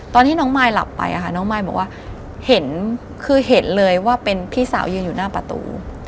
ตอนที่น้องมายหลับไปน้องมายบอกว่าเห็นคือเห็นเลยว่าเป็นพี่สาวยืนอยู่หน้าประตู